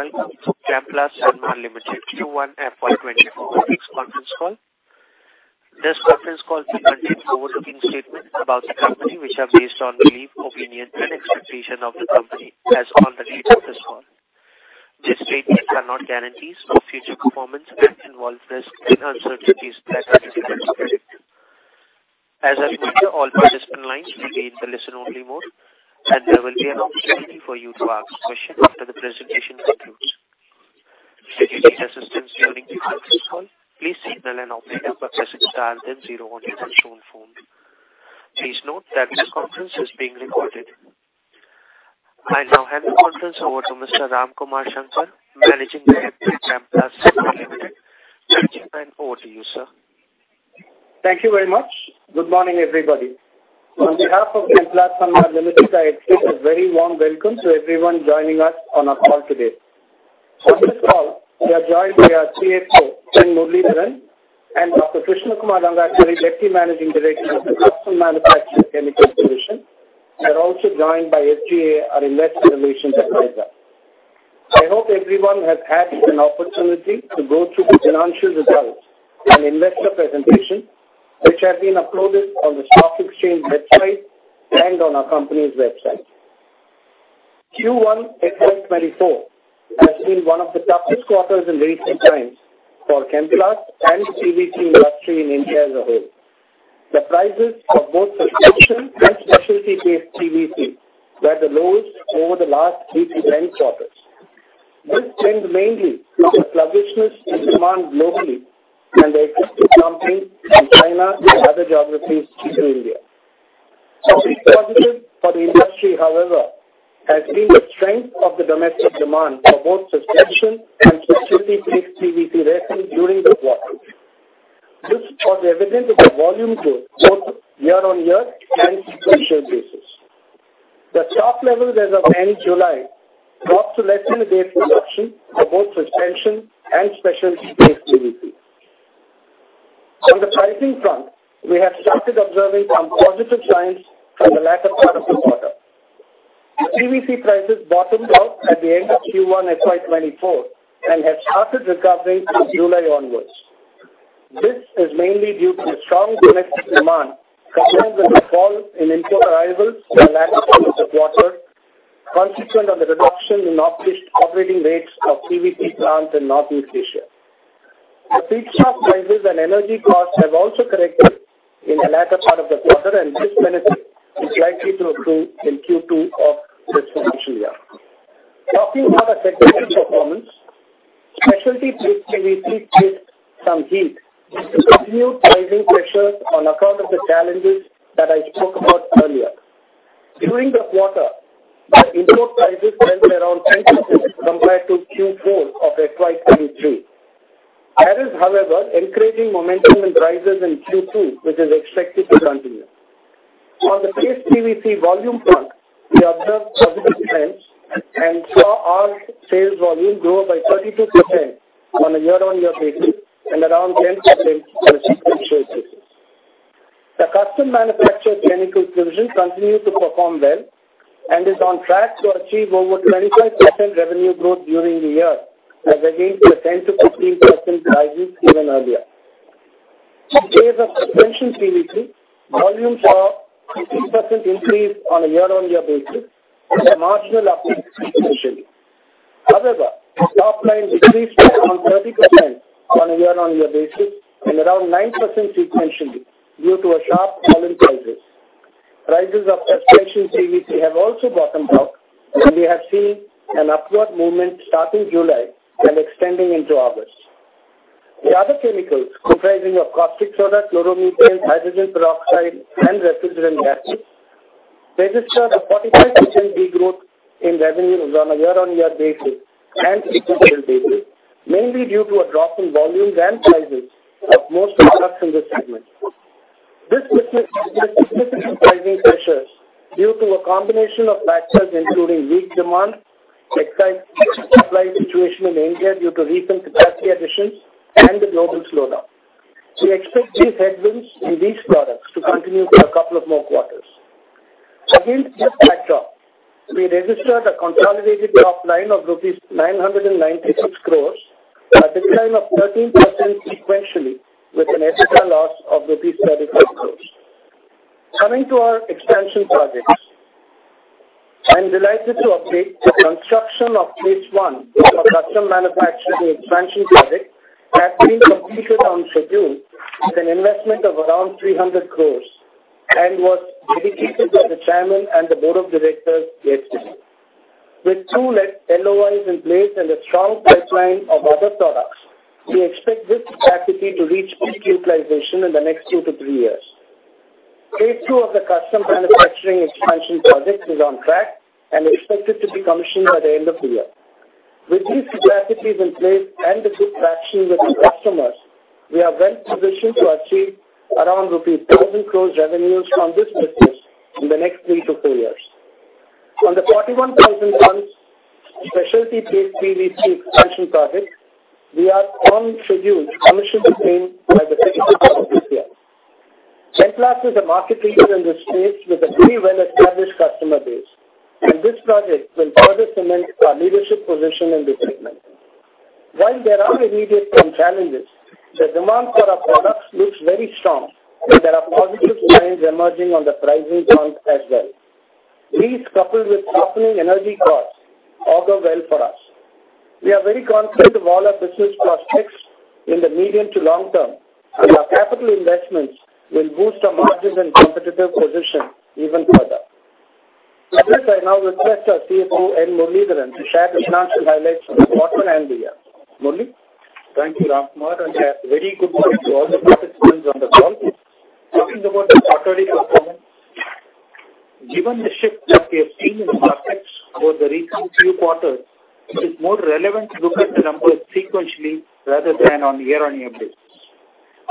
It's 4:30 P.M. and welcome to Chemplast Sanmar Limited, Q1 FY 2024, this conference call. This conference call will contain forward-looking statements about the company which are based on belief, opinion, and expectation of the company as on the date of this call. These statements are not guarantees for future performance and involve risk and uncertainties that are determined. As I've mentioned, all participant lines will be in the listen-only mode and there will be an opportunity for you to ask questions after the presentation concludes. For assistance during the conference call. Please signal an operator by pressing star then zero one on your own phone. Please note that this conference is being recorded. I now hand the conference over to Mr. Ramkumar Shankar, Managing Director of Chemplast Sanmar Limited. Thank you and over to you, sir. Thank you very much. Good morning, everybody. On behalf of Chemplast Sanmar Limited, I extend a very warm welcome to everyone joining us on our call today. On this call, we are joined by our CFO, N. Muralidharan, and Dr. Krishna Kumar Rangachari, deputy managing director of the Custom Manufactured Chemicals Division. They're also joined by SGA, our investor relations advisor. I hope everyone has had an opportunity to go through the financial results and investor presentation which have been uploaded on the stock exchange website and on our company's website. Q1 2024 has been one of the toughest quarters in recent times for Chemplast and PVC industry in India as a whole. The prices of both suspension and specialty paste PVC were the lowest over the last 8-10 quarters. This depends mainly on the sluggishness in demand globally and the excess in China, and other geographies dumping into India. A big positive for the industry, however, has been the strength of the domestic demand for both suspension and specialty paste PVC during the quarter. This was evident in the volume growth both year-on-year and sequential basis. The stock levels as of end July dropped to less than a day's production for both suspension and specialty paste PVC. On the pricing front, we have started observing some positive signs from the latter part of the quarter. PVC prices bottomed out at the end of Q1 FY 2024 and have started recovering from July onwards. This is mainly due to the strong domestic demand combined with the fall in import arrivals in the latter part of the quarter, consequent on the reduction in operating rates of PVC plants in Northeast Asia. The feedstock prices and energy costs have also corrected in the latter part of the quarter and this benefit is likely to accrue in Q2 of this financial year. Talking about effective performance, Specialty Paste PVC faced some heat due to continued pricing pressures on account of the challenges that I spoke about earlier. During the quarter, the import prices fell to around 10% compared to Q4 of FY 2023. That is, however, encouraging momentum and rises in Q2 which is expected to continue. On the Paste PVC volume front, we observed positive trends and saw our sales volume grow by 32% on a year-on-year basis and around 10% on a sequential basis. The custom manufacturing chemicals division continued to perform well and is on track to achieve over 25% revenue growth during the year as against a 10%-15% rise given earlier. In the case of Suspension PVC, volumes saw a 15% increase on a year-on-year basis and a marginal uptick sequentially. However, the top line decreased by around 30% on a year-on-year basis and around 9% sequentially due to a sharp fall in prices. Prices of Suspension PVC have also bottomed out and we have seen an upward movement starting July and extending into August. The other chemicals comprising of Caustic Soda, Chloromethane, Hydrogen Peroxide, and Refrigerant Gases registered a 45% degrowth in revenues on a year-on-year basis and sequential basis, mainly due to a drop in volumes and prices of most products in this segment. This puts us under significant pricing pressures due to a combination of factors including weak demand, excess supply situation in India due to recent capacity additions, and the global slowdown. We expect these headwinds in these products to continue for a couple of more quarters. Against this backdrop, we registered a consolidated top line of rupees 996 crore, a decline of 13% sequentially with an EBITDA loss of rupees 35 crore. Coming to our expansion projects, I'm delighted to update the construction of phase one of our custom manufacturing expansion project has been completed on schedule with an investment of around 300 crore and was dedicated to the chairman and the board of directors yesterday. With two LOIs in place and a strong pipeline of other products, we expect this capacity to reach peak utilization in the next two to three years. Phase two of the custom manufacturing expansion project is on track and expected to be commissioned by the end of the year. With these capacities in place and a good traction with the customers, we are well positioned to achieve around rupees 1,000 crore revenues from this business in the next three to four years. On the 41,000-ton specialty-based PVC expansion project, we are on schedule to commission the same by the 31st of this year. Chemplast is a market leader in this space with a very well-established customer base and this project will further cement our leadership position in this segment. While there are immediate challenges, the demand for our products looks very strong and there are positive signs emerging on the pricing front as well. These, coupled with softening energy costs, augur well for us. We are very confident of all our business prospects in the medium to long term and our capital investments will boost our margins and competitive position even further. With this, I now request our CFO, N. Muralidharan, to share the financial highlights of the quarter and the year. Murli? Thank you, Ramkumar, and a very good morning to all the participants on the call. Talking about the quarterly performance, given the shift that we have seen in prospects over the recent few quarters, it's more relevant to look at the numbers sequentially rather than on a year-on-year basis.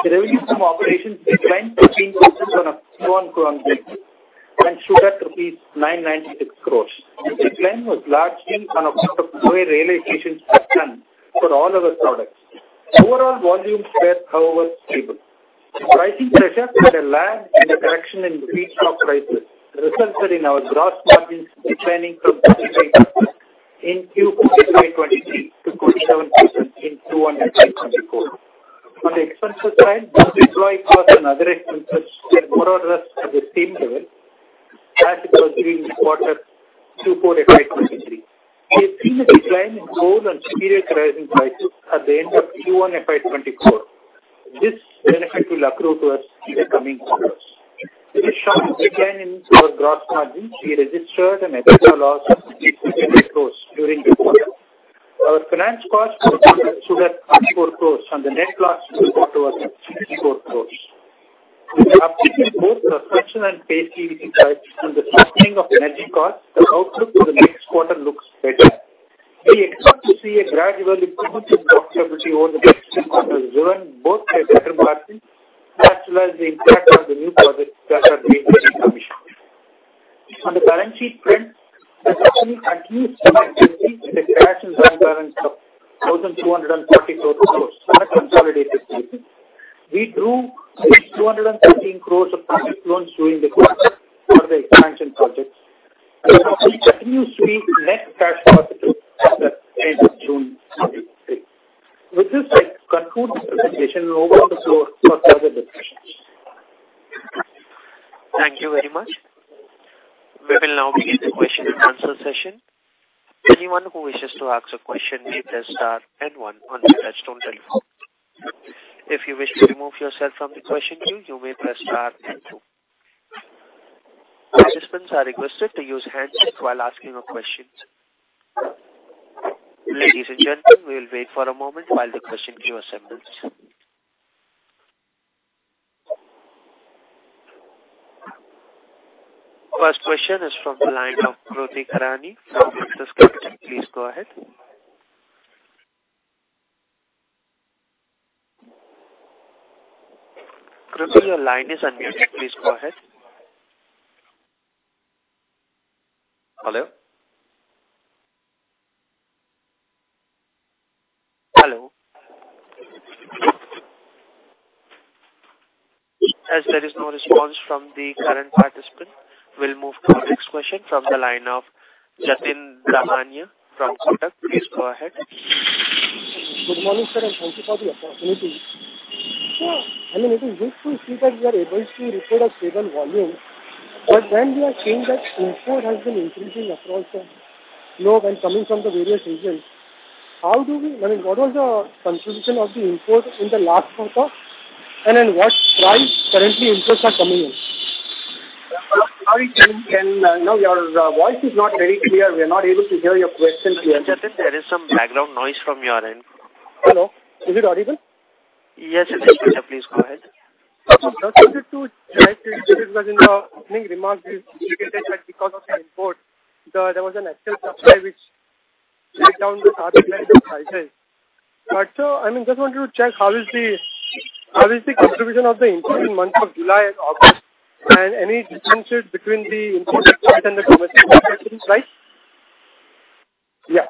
The revenue from operations declined 15% on a Q1-Q2 basis and stood at INR 996 crore. The decline was largely on account of the way realizations were done for all of our products. Overall volumes were, however, stable. Pricing pressure had a lag in the correction in the feedstock prices, resulted in our gross margins declining from 33% in Q2 2023 to 27% in Q1 2024. On the expenses side, both employee costs and other expenses were more or less at the same level as it was during the quarter Q4 FY 2023. We have seen a decline in oil and steam and utility prices at the end of Q1 FY 2024. This benefit will accrue to us in the coming quarters. With a sharp decline in our gross margins, we registered an extra loss of 25 crore during the quarter. Our finance costs stood at 34 crore and the net loss we reported was at INR 64 crore. With the uptick in both suspension and Paste PVC prices and the softening of energy costs, the outlook for the next quarter looks better. We expect to see a gradual improvement in profitability over the next few quarters driven both by better margins as well as the impact of the new projects that are being commissioned. On the balance sheet front, the company continues to be actively with a cash and bank balance of 1,240 crore on a consolidated basis. We drew 213 crore of public loans during the quarter for the expansion projects and the company continues to be net cash positive as of the end of June 2023. With this, I conclude the presentation and over to the floor for further discussions. Thank you very much. We will now begin the question and answer session. Anyone who wishes to ask a question may press star and one on the touch-tone telephone. If you wish to remove yourself from the question queue, you may press star and two. Participants are requested to use handsets while asking a question. Ladies and gentlemen, we will wait for a moment while the question queue assembles. First question is from the line of Kruti Karani from Axis Capital. Please go ahead. Kruthi, your line is unmuted. Please go ahead. Hello? Hello. As there is no response from the current participant, we'll move to the next question from the line of Jatin Damania from Kotak. Please go ahead. Good morning, sir, and thank you for the opportunity. Sure. I mean, it is good to see that we are able to report a stable volume, but then we are seeing that import has been increasing across the globe and coming from the various regions. How do we I mean, what was the contribution of the import in the last quarter and then what price currently imports are coming in? How are you hearing, Jatin? Now, your voice is not very clear. We are not able to hear your question clearly. Jatin, there is some background noise from your end. Hello? Is it audible? Yes, it is, sir. Please go ahead. Just wanted to check because it was in the opening remarks we indicated that because of the import, there was an excess supply which let down the target prices. But, sir, I mean, just wanted to check how is the contribution of the import in months of July and August and any differences between the imported price and the domestic imported price? Yeah.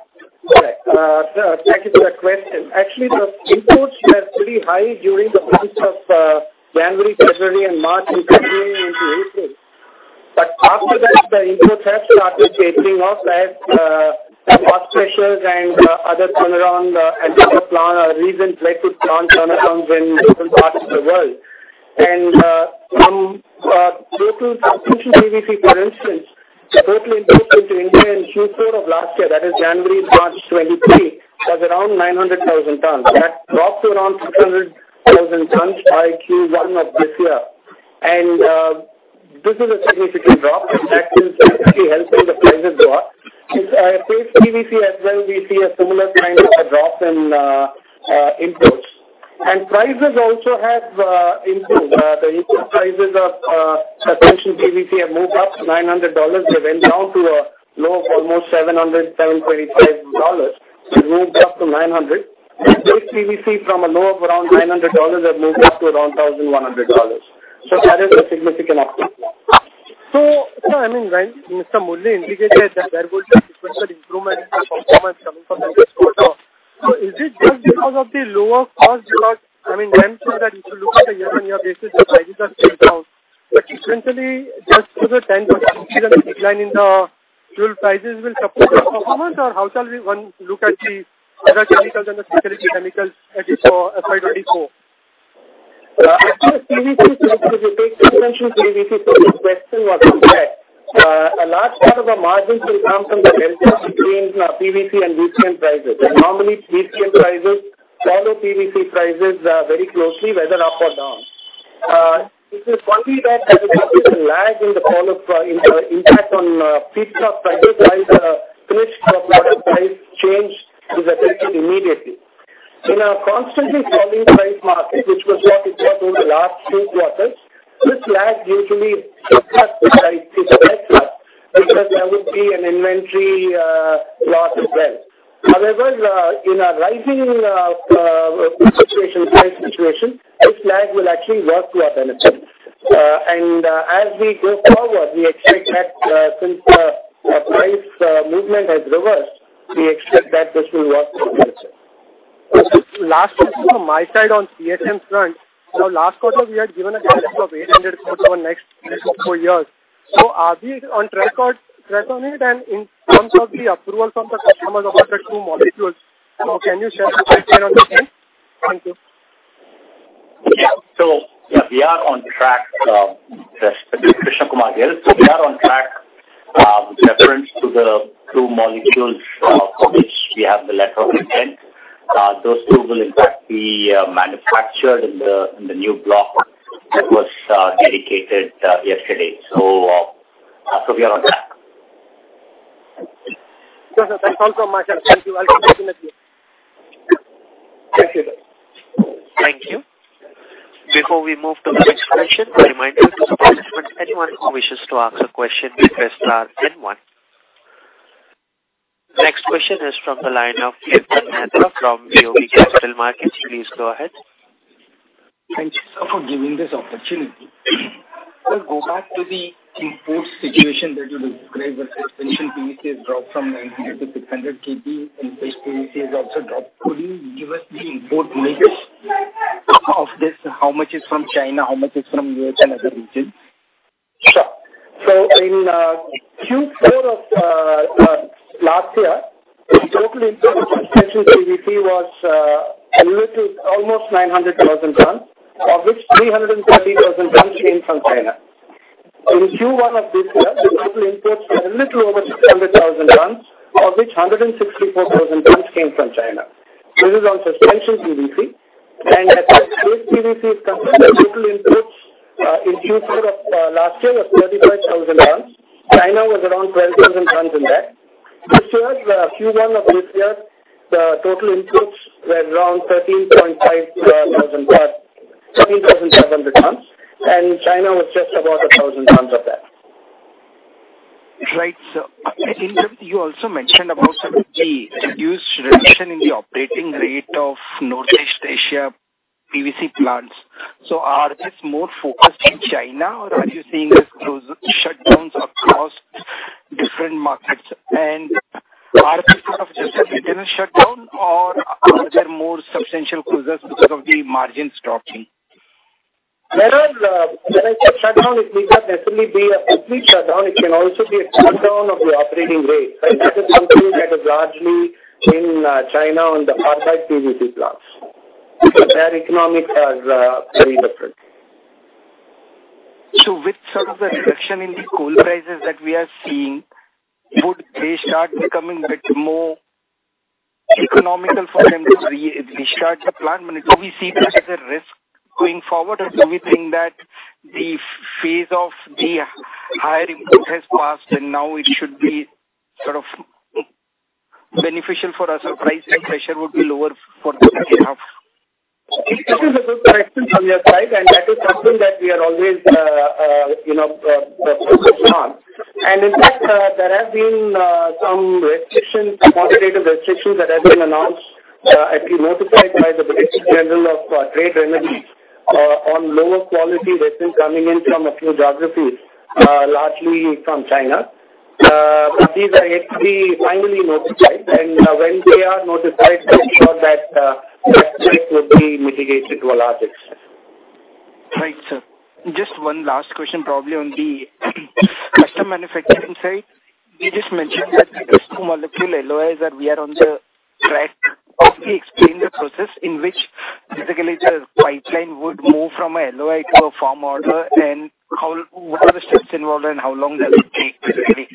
That is the question. Actually, the imports were pretty high during the months of January, February, and March and continuing into April. But after that, the imports have started tapering off as the cost pressures and other turnarounds and recent flagship plant turnarounds in different parts of the world. And from total suspension PVC, for instance, the total imports into India in Q4 of last year, that is January to March 2023, was around 900,000 tons. That dropped to around 600,000 tons by Q1 of this year. And this is a significant drop. That is definitely helping the prices go up. Paste PVC as well, we see a similar kind of a drop in imports. And prices also have improved. The import prices of suspension PVC have moved up to $900. They went down to a low of almost $700, $725. It moved up to $900. Paste PVC from a low of around $900 has moved up to around $1,100. So that is a significant uptick. So, sir, I mean, Mr. Muralidharan indicated that there will be a sequential improvement in the performance coming from the next quarter. So is it just because of the lower cost because I mean, Jatin said that if you look at the year-over-year basis, the prices have stayed down, but sequentially, just because of 10% increase and the decline in the fuel prices, will support the performance or how shall one look at the other chemicals and the specialty chemicals as is for FY 2024? I think if you take Suspension PVC from the question what you said, a large part of the margins will come from the relative change in our PVC and VCM prices. Normally, VCM prices follow PVC prices very closely whether up or down. It is only that there is a lag in the impact on feedstock prices while the finished product price change is affected immediately. In a constantly falling price market, which was what it was over the last two quarters, this lag usually is a net loss because there would be an inventory loss as well. However, in a rising price situation, this lag will actually work to our benefit. As we go forward, we expect that since the price movement has reversed, we expect that this will work to our benefit. Last question from my side on CSM front. Now, last quarter, we had given a guarantee of 800 crore for the next three to four years. So are we on track on it and in terms of the approval from the customers of the two molecules? So can you share the timeline on the same? Thank you. Yeah. So, yeah, we are on track, Krishna Kumar here. So we are on track with reference to the two molecules for which we have the letter of intent. Those two will, in fact, be manufactured in the new block that was dedicated yesterday. So we are on track. Yes, sir. Thanks also on my side. Thank you. I'll keep you in the queue. Thank you, sir. Thank you. Before we move to the next question, I remind you to support this event. Anyone who wishes to ask a question, may press star and one. Next question is from the line of Participant from BOB Capital Markets. Please go ahead. Thank you, sir, for giving this opportunity. Let's go back to the import situation that you described where Suspension PVC has dropped from 900-600 KP and Paste PVC has also dropped. Could you give us the import weight of this? How much is from China? How much is from U.S. and other regions? Sure. So in Q4 of last year, the total import of suspension PVC was almost 900,000 tons, of which 330,000 tons came from China. In Q1 of this year, the total imports were a little over 600,000 tons, of which 164,000 tons came from China. This is on suspension PVC. And as Paste PVC is considered, the total imports in Q4 of last year were 35,000 tons. China was around 12,000 tons in that. This year, Q1 of this year, the total imports were around 13,500 tons, and China was just about 1,000 tons of that. Great. So you also mentioned about the reduction in the operating rate of Northeast Asia PVC plants. So are these more focused in China or are you seeing these shutdowns across different markets? And are these because of just an internal shutdown or are there more substantial closures because of the margins dropping? When I say shutdown, it needs not necessarily be a complete shutdown. It can also be a shutdown of the operating rate, right? This is something that is largely in China on the Carbide PVC plants. Their economics are very different. So with some of the reduction in the coal prices that we are seeing, would they start becoming a bit more economical for them to restart the plant? Do we see that as a risk going forward or do we think that the phase of the higher import has passed and now it should be sort of beneficial for us or pricing pressure would be lower for the second half? This is a good question from your side, and that is something that we are always focused on. And in fact, there have been some quantitative restrictions that have been announced, actually notified by the Directorate General of Trade Remedies on lower quality resin coming in from a few geographies, largely from China. But these are yet to be finally notified. And when they are notified, make sure that that threat would be mitigated to a large extent. Great, sir. Just one last question probably on the custom manufacturing side. You just mentioned that the two molecule LOIs that we are on track. Could you explain the process in which, basically, the pipeline would move from an LOI to a firm order and what are the steps involved and how long does it take, basically,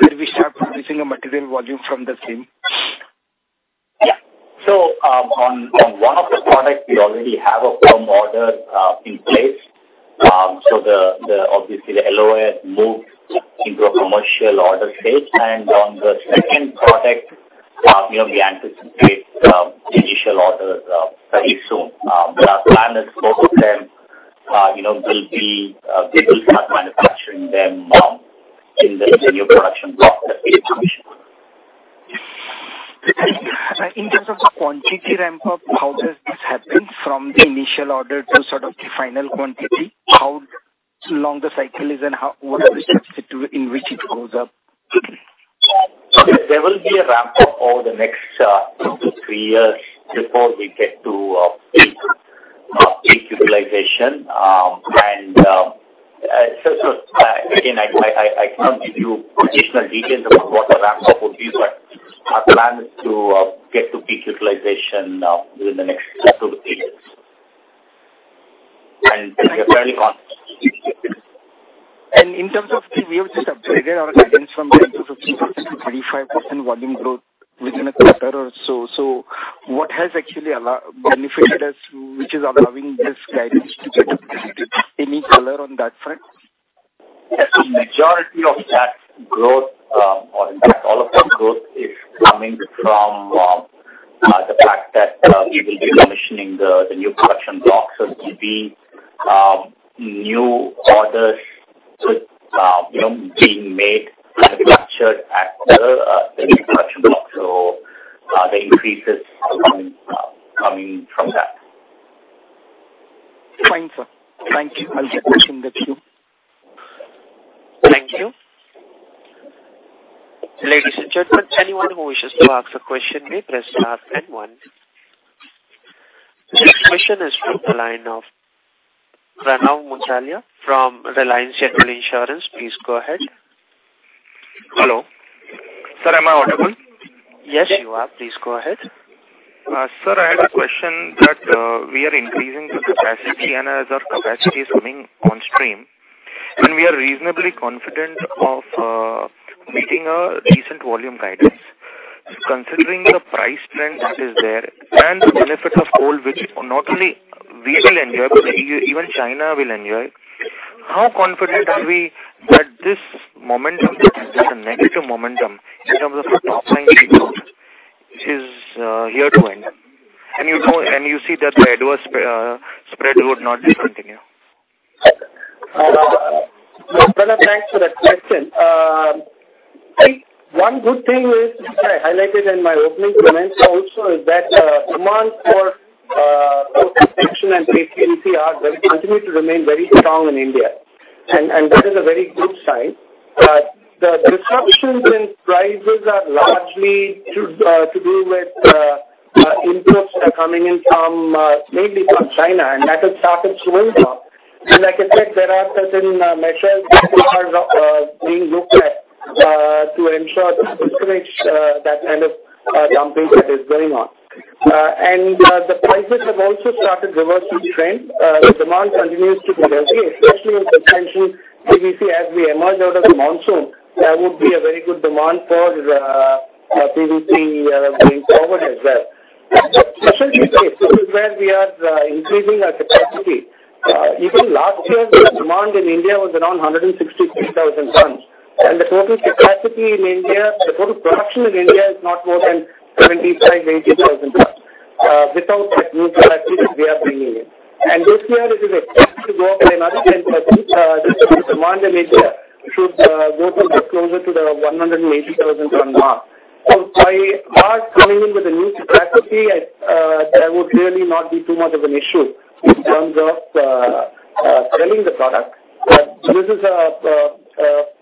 when we start producing a material volume from the same? Yeah. So on one of the products, we already have a firm order in place. So obviously, the LOI has moved into a commercial order stage. And on the second product, we anticipate initial orders very soon. Our plan is both of them, we will start manufacturing them in the new production block that we have commissioned. In terms of the quantity ramp-up, how does this happen from the initial order to sort of the final quantity? How long the cycle is and what are the steps in which it goes up? Okay. There will be a ramp-up over the next two to three years before we get to peak utilization. So, sir, again, I cannot give you additional details about what the ramp-up would be, but our plan is to get to peak utilization within the next two to three years. We are fairly confident. In terms of the we have just upgraded our guidance from 25%-35% volume growth within a quarter or so. So what has actually benefited us, which is allowing this guidance to get updated? Any color on that front? The majority of that growth or in fact, all of that growth is coming from the fact that we will be commissioning the new production blocks. It will be new orders being made, manufactured at the new production block. The increase is coming from that. Fine, sir. Thank you. I'll get this in the queue. Thank you. Ladies and gentlemen, anyone who wishes to ask a question, may press star and one. Next question is from the line of Pranav Muchhala from Reliance General Insurance. Please go ahead. Hello? Sir, am I audible? Yes, you are. Please go ahead. Sir, I had a question. We are increasing the capacity and as our capacity is coming onstream, and we are reasonably confident of meeting a decent volume guidance. Considering the price trend that is there and the benefits of coal, which not only we will enjoy, but even China will enjoy, how confident are we that this momentum, that negative momentum in terms of the top-line shakeout is here to end? And you see that the adverse spread would not discontinue. Sir, Pranav, thanks for that question. One good thing is highlighted in my opening comments also is that demand for suspension and paste PVC continues to remain very strong in India. That is a very good sign. The disruptions in prices are largely to do with imports coming in mainly from China, and that has started slowing down. Like I said, there are certain measures that are being looked at to ensure that kind of dumping that is going on. The prices have also started reversing trend. The demand continues to be heavy, especially in suspension PVC as we emerge out of the monsoon. That would be a very good demand for PVC going forward as well. But especially this is where we are increasing our capacity. Even last year, the demand in India was around 163,000 tons. The total capacity in India, the total production in India is not more than 75,000-80,000 tons without that new capacity that we are bringing in. This year, it is expected to go up by another 10%. The demand in India should go closer to the 180,000-ton mark. By us coming in with a new capacity, there would really not be too much of an issue in terms of selling the product. But this is a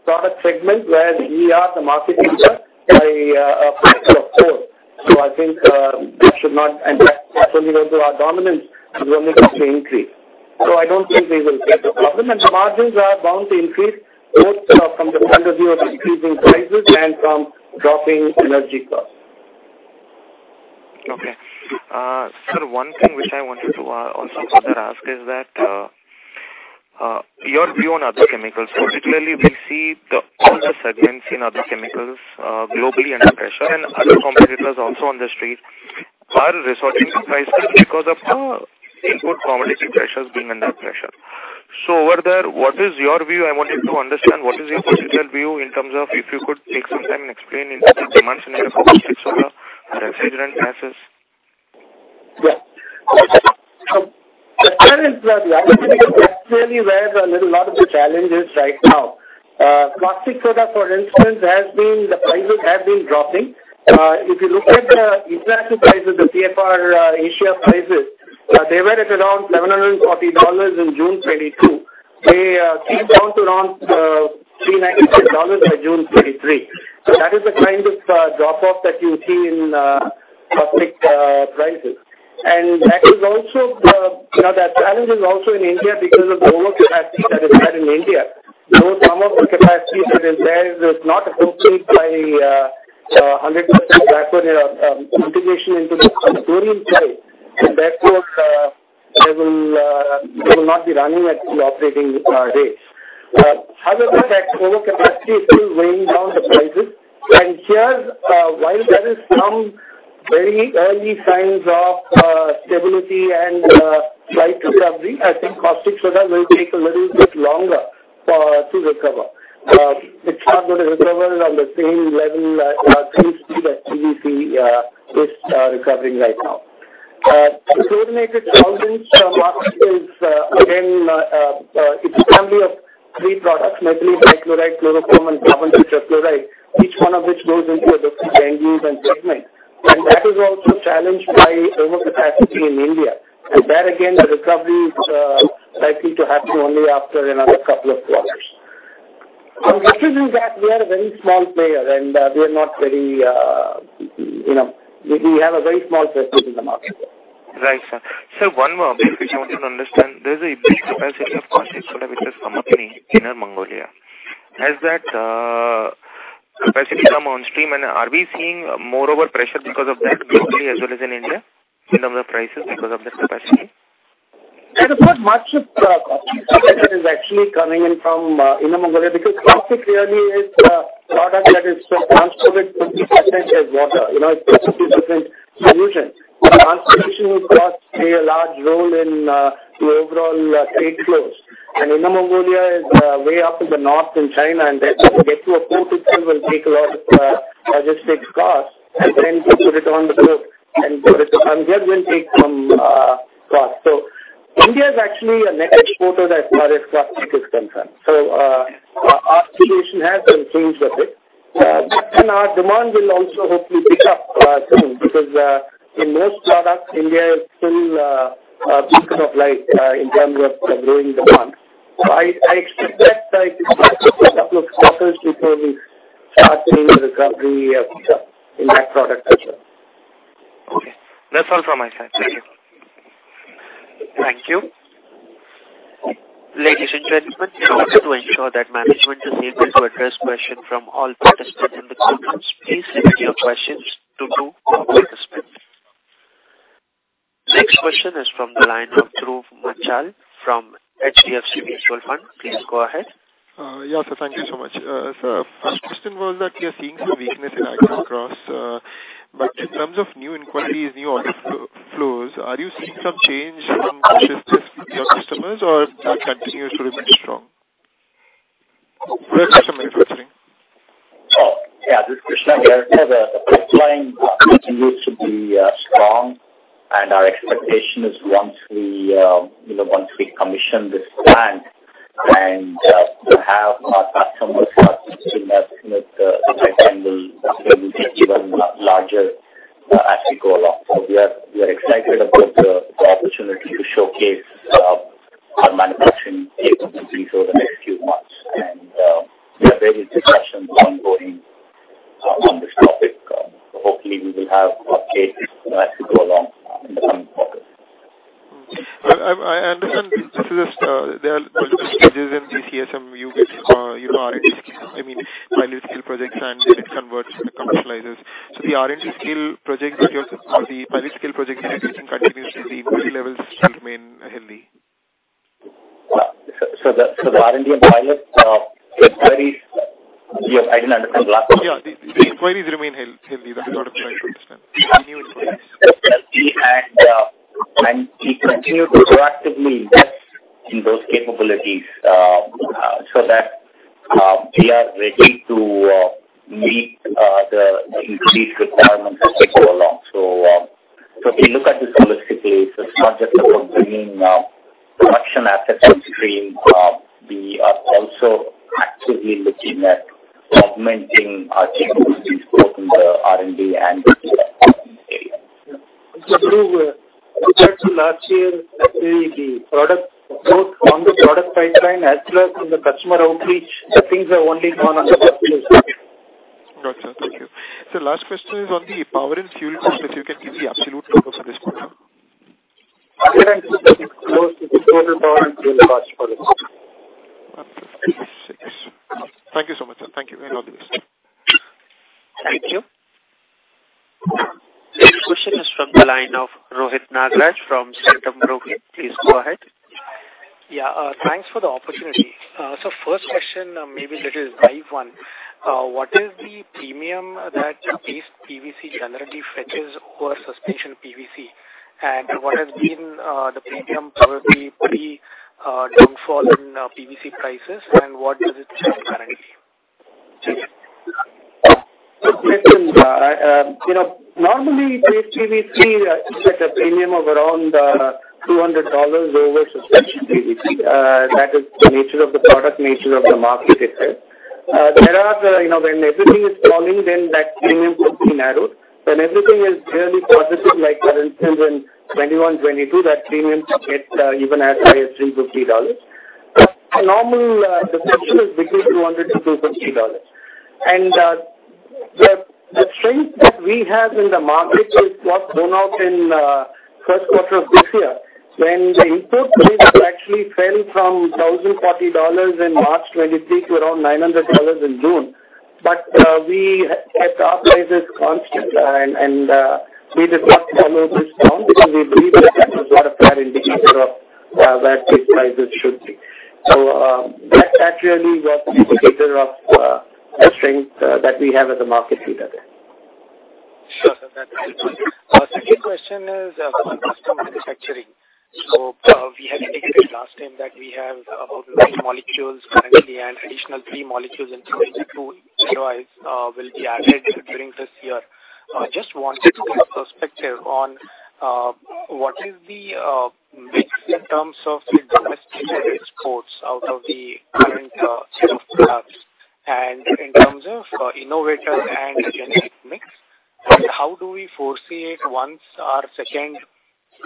product segment where we are the market leader by a factor of four. I think that should not impact. It's only going to our dominance. It's only going to increase. I don't think they will face a problem. The margins are bound to increase both from the point of view of decreasing prices and from dropping energy costs. Okay. Sir, one thing which I wanted to also further ask is that your view on other chemicals, particularly we see all the segments in other chemicals globally under pressure and other competitors also on the street are resorting to price because of the input commodity pressures being under pressure. So over there, what is your view? I wanted to understand what is your potential view in terms of if you could take some time and explain into the demands in the logistics of the refrigerant gases? Yes. The current reality is actually where a lot of the challenge is right now. Caustic Soda, for instance, the prices have been dropping. If you look at the international prices, the CFR Asia prices, they were at around $740 in June 2022. They came down to around $395 by June 2023. So that is the kind of drop-off that you see in caustic prices. And that is also the challenge is also in India because of the overcapacity that is there in India. Though some of the capacity that is there is not accompanied by 100% integration into the chlorine side, therefore, they will not be running at the operating rate. However, that overcapacity is still weighing down the prices. And while there are some very early signs of stability and slight recovery, I think Caustic Soda will take a little bit longer to recover. It's not going to recover on the same level, same speed as PVC is recovering right now. Chlorinated solvents are marketed again. It's a family of three products: methylene chloride, chloroform, and carbon tetrachloride, each one of which goes into a different venue and segment. That is also challenged by overcapacity in India. There again, the recovery is likely to happen only after another couple of quarters. On refrigerant gas, we are a very small player, and we have a very small presence in the market. Right, sir. So one more thing which I wanted to understand. There's a big capacity of caustic soda which has come up in Inner Mongolia. Has that capacity come onstream? And are we seeing more pressure because of that globally as well as in India in terms of prices because of that capacity? There's not much of caustic capacity that is actually coming in from Inner Mongolia because caustic really is a product that is transported 50% as water. It's a completely different solution. Transportation costs play a large role in the overall trade flows. Inner Mongolia is way up in the north in China, and then to get to a port itself will take a lot of logistics costs and then to put it on the port and put it on here will take some costs. India is actually a net exporter as far as caustic is concerned. Our situation has been changed a bit. Our demand will also hopefully pick up soon because in most products, India is still a beacon of light in terms of the growing demand. I expect that it will take a couple of quarters before we start seeing the recovery in that product as well. Okay. That's all from my side. Thank you. Thank you. Ladies and gentlemen, in order to ensure that management is able to address questions from all participants in the quadrants, please leave your questions to two participants. Next question is from the line of Dhruv Muchhal from HDFC Mutual Fund. Please go ahead. Yes, sir. Thank you so much. Sir, first question was that we are seeing some weakness in caustic costs. But in terms of new inquiries, new order flows, are you seeing some change in cautiousness with your customers or that continues to remain strong? How are your customers responding? Oh, yeah. This is Krishna. Yeah, sir, the pipeline continues to be strong, and our expectation is once we commission this plant and have our customers start consuming us, the pipeline will be even larger as we go along. So we are excited about the opportunity to showcase our manufacturing capabilities over the next few months. And there are various discussions ongoing on this topic. So hopefully, we will have updates as we go along in the coming quarters. I understand, sir, there are multiple stages in CSM unit with R&D scale. I mean, pilot scale projects and then it converts and commercializes. So the R&D scale projects that you're or the pilot scale projects that you're taking continuously, the inquiry levels still remain healthy? The R&D and pilot inquiries? I didn't understand the last part. Yeah. The inquiries remain healthy. That's what I'm trying to understand. The new inquiries. We continue to proactively invest in those capabilities so that we are ready to meet the increased requirements as we go along. If you look at this holistically, so it's not just about bringing production assets onstream. We are also actively looking at augmenting our capabilities both in the R&D and the product area. Sir, Dhruv, compared to last year, actually, the product growth on the product pipeline as well as in the customer outreach, the things have only gone on the positive side. Gotcha. Thank you. Sir, last question is on the power and fuel cost, if you can give the absolute number for this quarter? Currently, it's close to the total power and fuel cost for us. Okay. Thank you so much, sir. Thank you and all the best. Thank you. Next question is from the line of Rohit Nagraj from Centrum Broking. Please go ahead. Yeah. Thanks for the opportunity. Sir, first question, maybe a little deep dive one. What is the premium that Paste PVC generally fetches over suspension PVC? And what has been the premium probably pre-downfall in PVC prices, and what does it sell currently? Sir, normally, paste PVC is at a premium of around $200 over suspension PVC. That is the nature of the product, nature of the market itself. There is, when everything is falling, then that premium could be narrowed. When everything is fairly positive, like for instance, in 2021, 2022, that premium gets even as high as $350. Normally, the range is between $200-$250. And the strength that we have in the market is what's come out in the first quarter of this year. When the input price actually fell from $1,040 in March 2023 to around $900 in June, but we kept our prices constant, and we did not follow this down because we believe that that was not a fair indicator of where paste prices should be. So that actually was the indicator of the strength that we have as a market leader there. Sure, sir. That's a good point. Second question is from Custom Manufacturing. So we had indicated last time that we have about three molecules currently, and additional three molecules in 2022, otherwise, will be added during this year. Just wanted to get perspective on what is the mix in terms of the domestic and exports out of the current set of products? And in terms of innovator and generic mix, how do we foresee it once our second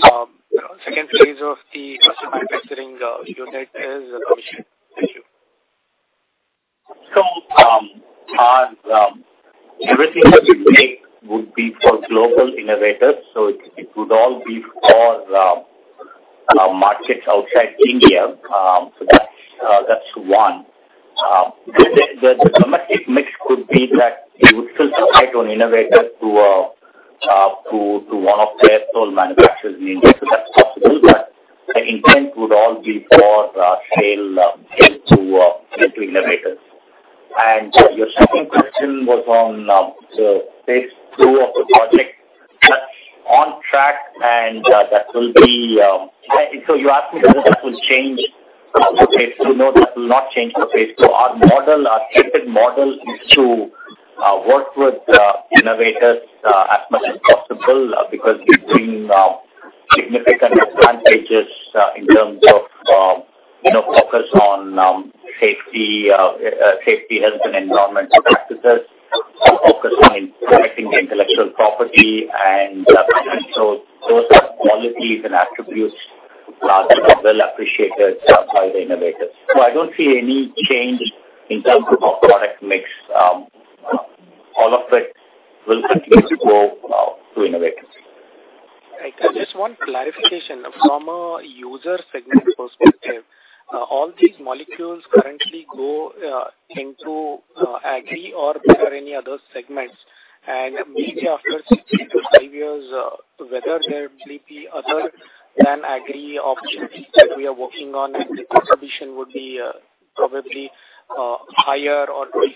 phase of the Custom Manufacturing unit is commissioned? Thank you. So everything that we make would be for global innovators. So it would all be for markets outside India. So that's one. The domestic mix could be that we would still target on innovators through one of their sole manufacturers in India. So that's possible, but the intent would all be for sale to innovators. And your second question was on the phase two of the project. That's on track, and that will be. So you asked me whether that will change the phase two. No, that will not change the phase two. Our stated model is to work with innovators as much as possible because we bring significant advantages in terms of focus on safety, health, and environmental practices, focus on protecting the intellectual property. And so those are qualities and attributes that are well appreciated by the innovators. I don't see any change in terms of our product mix. All of it will continue to go to innovators. Right. Just one clarification. From a user segment perspective, all these molecules currently go into Agri or there are any other segments? And maybe after six to five years, whether there will be other than Agri options that we are working on and the distribution would be probably higher or 35%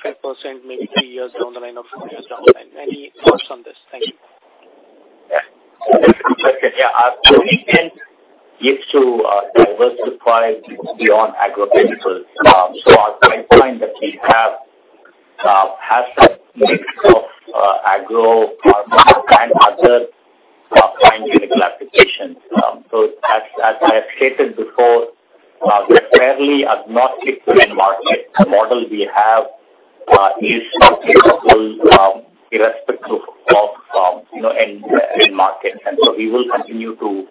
maybe three years down the line, or four years down the line. Any thoughts on this? Thank you. Yeah. That's a good question. Yeah. Our product intent is to diversify beyond agrochemicals. So our pipeline that we have has some mix of agro and other fine chemical applications. So as I have stated before, we fairly are not fixed in market. The model we have is applicable irrespective of markets. And so we will continue to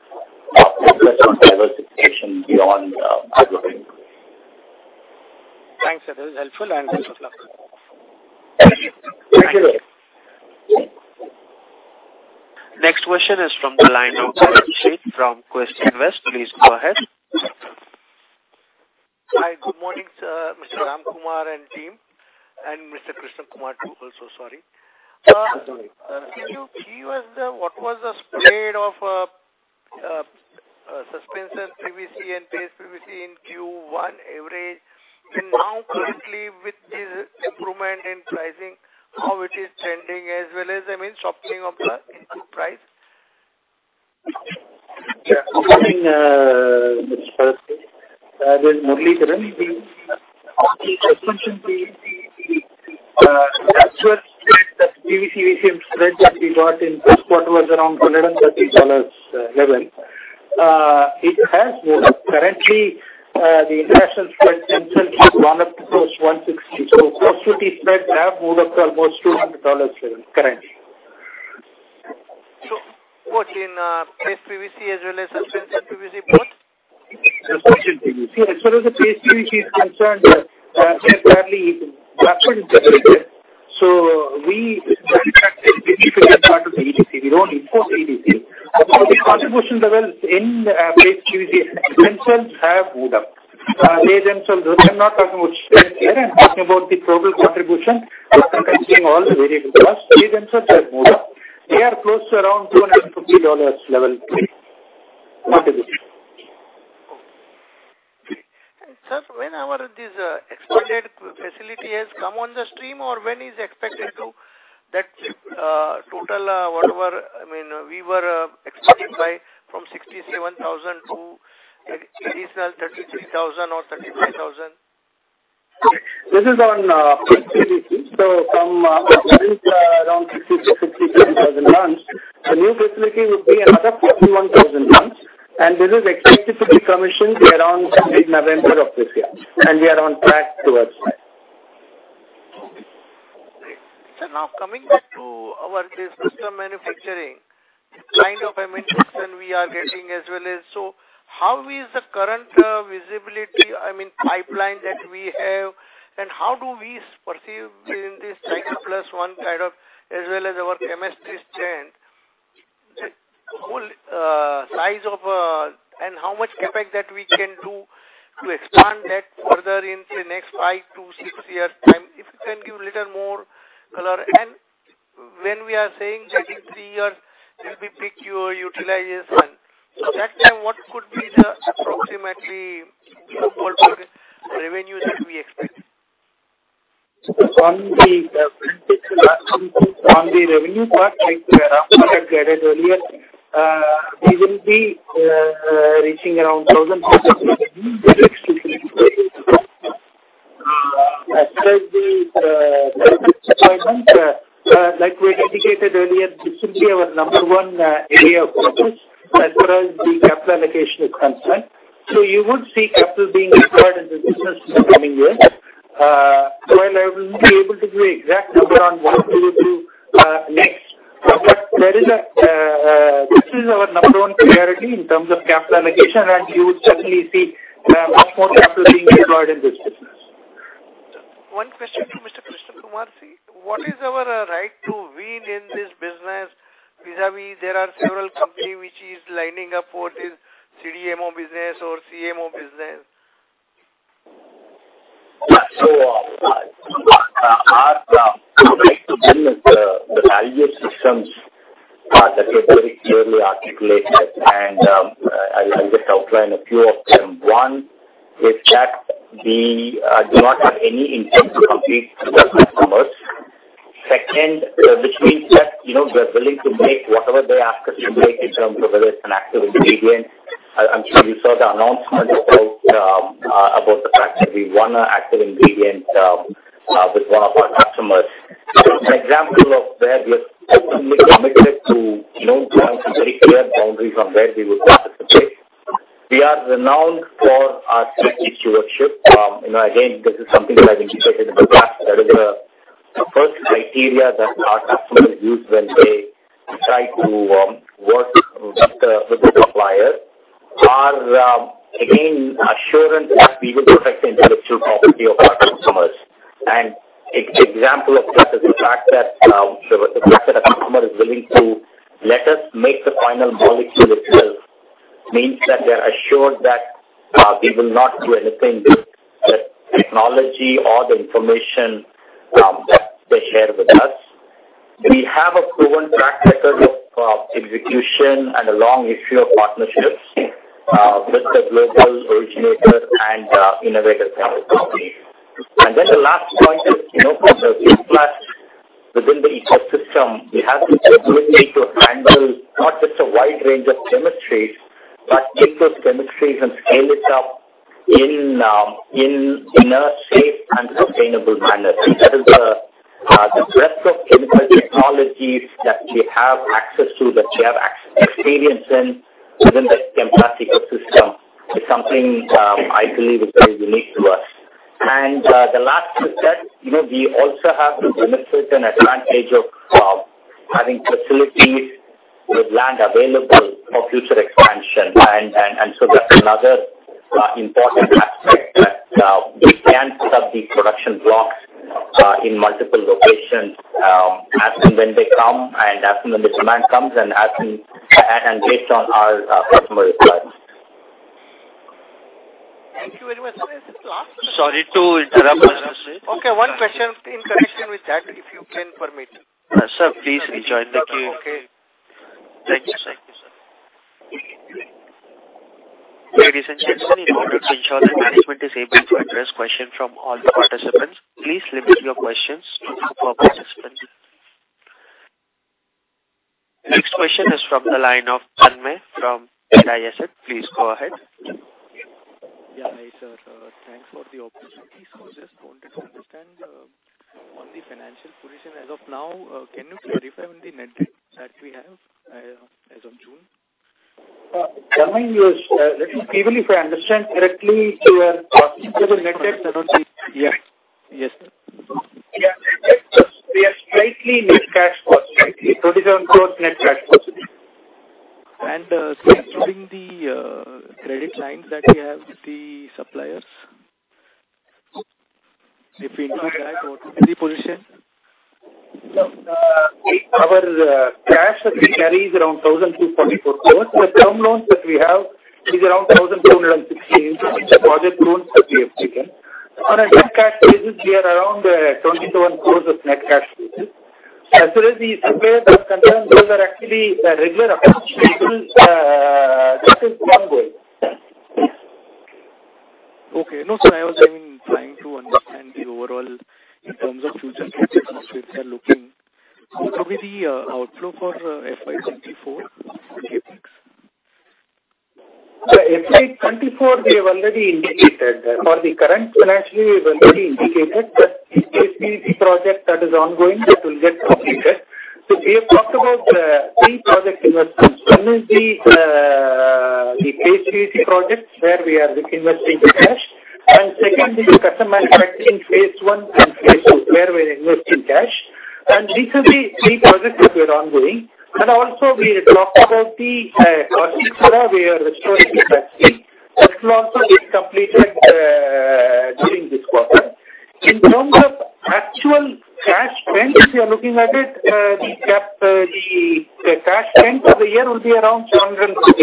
focus on diversification beyond agrochemicals. Thanks, sir. That was helpful. Thank you for talking. Thank you. Thank you. Next question is from the line of Quest Invest. Please go ahead. Hi. Good morning, sir, Mr. Ramkumar and team, and Mr. Krishna Kumar too also. Sorry. I'm sorry. Can you give us what was the spread of Suspension PVC and Paste PVC in Q1 average? And now, currently, with this improvement in pricing, how it is trending as well as, I mean, softening of the input price? Yeah. Good morning, Mr. Saraswathi. There's more latency. The actual spread, the PVC/VCM spread that we got in first quarter was around $130 level. It has moved up. Currently, the international spread themselves have gone up to close $160. So post-duty spreads have moved up to almost $200 level currently. What in Paste PVC as well as suspension PVC, both? Suspension PVC. As far as the Paste PVC is concerned, they're fairly vertically integrated. So we manufacture a significant part of the EDC. We don't import EDC. But the contribution levels in Paste PVC themselves have moved up. They themselves. I'm not talking about spreads here. I'm talking about the total contribution considering all the variable costs. They themselves have moved up. They are close to around $250 level contribution. Sir, when are these expanded facilities come on stream, or when is expected that total whatever I mean, we were expecting from 67,000 to additional 33,000 or 35,000? This is on Paste PVC. So from around 60,000-65,000 tons, the new facility would be another 41,000 tons. And this is expected to be commissioned around mid-November of this year. And we are on track towards that. Sir, now coming back to our custom manufacturing, the kind of, I mean, question we are getting as well is, so how is the current visibility, I mean, pipeline that we have, and how do we perceive in this Chemplast Sanmar kind of as well as our chemistry strength, the whole size of and how much capacity that we can do to expand that further in the next five to six years' time if we can give a little more color? And when we are saying that in three years, we'll be picking your utilization. So at that time, what could be the approximate global revenue that we expect? On the revenue part, like Ramkumar had added earlier, we will be reaching around 1,500 million metric tons to 35,000. As far as the business requirements, like we had indicated earlier, this will be our number one area of focus as far as the capital allocation is concerned. So you would see capital being deployed in this business in the coming years. While I will not be able to give you the exact number on what we will do next, but this is our number one priority in terms of capital allocation, and you would certainly see much more capital being deployed in this business. One question to Mr. Krishna Kumar. What is our right to win in this business vis-à-vis there are several companies which are lining up for this CDMO business or CMO business? So our right to win is the value system that is very clearly articulated. And I'll just outline a few of them. One is that we do not have any intent to compete with our customers. Second, which means that we're willing to make whatever they ask us to make in terms of whether it's an active ingredient. I'm sure you saw the announcement about the fact that we won an active ingredient with one of our customers. An example of where we are firmly committed to drawing some very clear boundaries on where we would participate. We are renowned for our safety stewardship. Again, this is something that I've indicated in the past. That is the first criterion that our customers use when they try to work with the supplier. Again, assurance that we will protect the intellectual property of our customers. An example of that is the fact that a customer is willing to let us make the final molecule itself means that they're assured that we will not do anything with the technology or the information that they share with us. We have a proven track record of execution and a long history of partnerships with the global originator and innovator center companies. Then the last point is from the Chemplast within the ecosystem, we have the ability to handle not just a wide range of chemistries but take those chemistries and scale it up in a safe and sustainable manner. That is the breadth of chemical technologies that we have access to, that we have experience in within the Chemplast ecosystem is something I believe is very unique to us. The last is that we also have benefited an advantage of having facilities with land available for future expansion. So that's another important aspect that we can sub these production blocks in multiple locations as and when they come and as and when the demand comes and based on our customer requirements. Thank you. Was this last question? Sorry to interrupt, Mr. Saraswathi. Okay. One question in connection with that if you can permit? Sir, please join the queue. Thank you. Thank you, sir. Ladies and gentlemen, in order to ensure that management is able to address questions from all the participants, please limit your questions to two per participant. Next question is from the line of Tanmay from ADI Asset. Please go ahead. Yeah. Hi, sir. Thanks for the opportunity. So I just wanted to understand on the financial position as of now. Can you clarify on the net debt that we have as of June? Tanmay, let me see whether if I understand correctly your question. The net debt and on the yeah. Yes, sir. Yeah. Net debt - we are slightly net cash positive, 27 crore net cash positive. Including the credit lines that we have, the suppliers, if we include that, what is the position? So our cash that we carry is around 1,244 crores. The term loan that we have is around 1,416 crore project loans that we have taken. On a net cash basis, we are around 27 crore net cash basis. As far as the suppliers are concerned, those are actually regular accounts. That is ongoing. Okay. No, sir. I was, I mean, trying to understand the overall in terms of future capabilities we are looking. What will be the outflow for FY 2024 CapEx? For FY 2024, we have already indicated that. For the current financial year, we have already indicated that the Paste PVC project that is ongoing, that will get completed. We have talked about three project investments. One is the Paste PVC projects where we are investing in cash. And second is custom manufacturing phase one and phase two where we are investing cash. And these are the three projects that we are ongoing. And also, we have talked about the caustic where we are restoring capacity. That will also be completed during this quarter. In terms of actual cash spend, if we are looking at it, the cash spend for the year will be around 750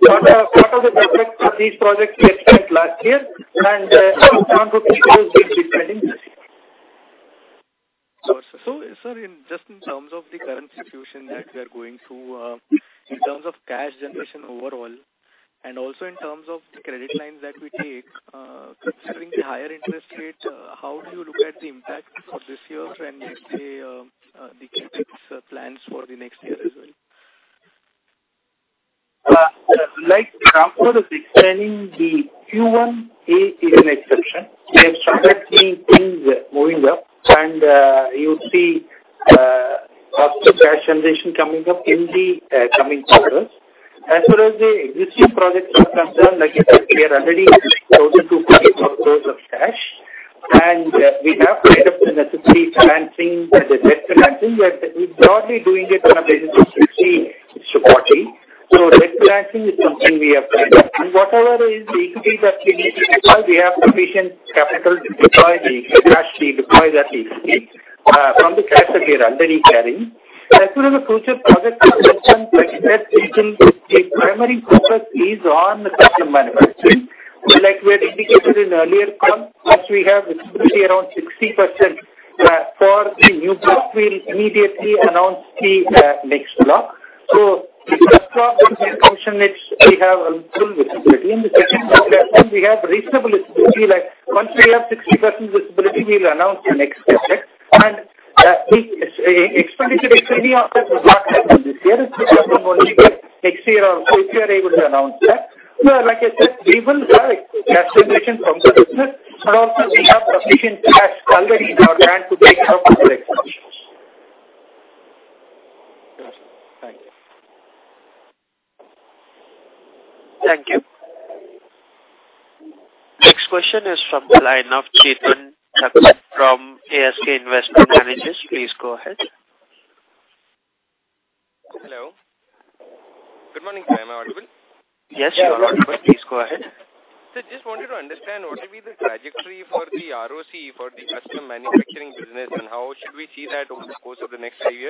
crore rupees for the capex. But part of the projects of these projects get spent last year, and around INR 250 crore will be spending this year. Sir, just in terms of the current situation that we are going through, in terms of cash generation overall and also in terms of the credit lines that we take, considering the higher interest rate, how do you look at the impact for this year and, let's say, the CapEx plans for the next year as well? Like Ramkumar is explaining, the Q1A is an exception. We have started seeing things moving up, and you will see cost of cash generation coming up in the coming quarters. As far as the existing projects are concerned, like I said, we are already closing to INR 44 crore of cash, and we have made up the necessary financing that is net financing. We're broadly doing it on a basis of 60/40. So net financing is something we have made up. And whatever is the equity that we need to deploy, we have sufficient capital to deploy the cash, to deploy that equity from the cash that we are already carrying. As far as the future project investment, like I said, the primary focus is on custom manufacturing. Like we had indicated in earlier calls, once we have visibility around 60% for the new block, we'll immediately announce the next block. So the first block, we can commission it. We have full visibility. And the second block, we have reasonable visibility. Once we have 60% visibility, we'll announce the next capex. And expenditure is any of that will not happen this year. It will happen only next year also if we are able to announce that. Like I said, we will have cash generation from the business, but also, we have sufficient cash already in our hand to make all of the expenses. Gotcha. Thank you. Thank you. Next question is from the line of Chetan Thakkar from ASK Investment Managers. Please go ahead. Hello? Good morning, sir. Am I audible? Yes, you are audible. Please go ahead. Sir, just wanted to understand, what will be the trajectory for the ROC for the custom manufacturing business, and how should we see that over the course of the next three